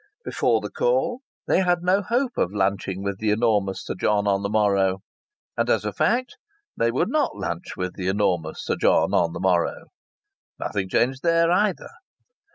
Before the call they had had no hope of lunching with the enormous Sir John on the morrow, and as a fact they would not lunch with the enormous Sir John on the morrow. Nothing changed there, either!